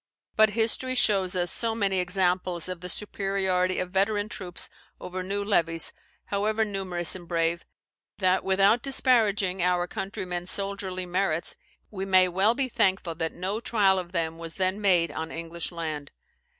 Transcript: But history shows us so many examples of the superiority of veteran troops over new levies, however numerous and brave, that without disparaging our countrymen's soldierly merits, we may well be thankful that no trial of them was then made on English land.